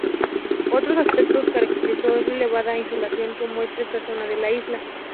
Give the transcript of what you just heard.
Otro aspecto característico es la elevada insolación que muestra esta zona de la isla.